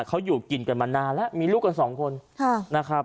เขาอยู่กินกันมานานแล้วมีลูกกันสองคนนะครับ